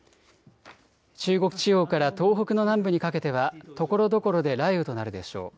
中国地方から東北の南部にかけてはところどころで雷雨となるでしょう。